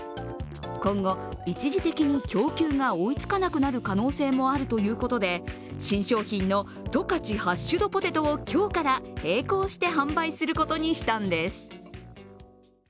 今後一時的に供給が追いつかなくなる可能性もあるということで、新商品の十勝ハッシュドポテトを今日から並行して販売することにしたんです。